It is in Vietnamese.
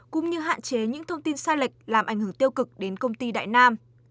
cũng như hạn chế những thông tin sai lệch làm ảnh hưởng tiêu cực đến công ty đại nam